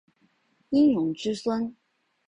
殷融之孙。